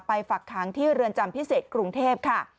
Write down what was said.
ฝักค้างที่เรือนจำพิเศษกรุงเทพค่ะ